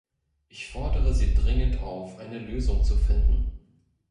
Ich fordere Sie dringend auf, eine Lösung zu finden.